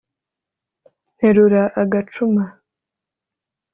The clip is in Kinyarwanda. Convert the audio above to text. Nterura agacuma